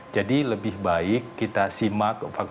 jadi lebih baik kita simak fakta fakta